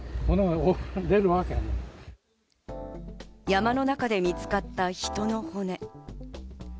山の中で見つかった人の骨。